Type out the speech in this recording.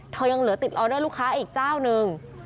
ยังเหลือติดออเดอร์ลูกค้าอีกเจ้านึง